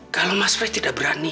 kalau mas ferry tidak berani